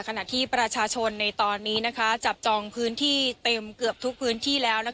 ขณะที่ประชาชนในตอนนี้จับจองพื้นที่เต็มเกือบทุกพื้นที่แล้ว